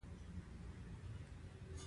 غیر مستقیمه نتیجه بلله.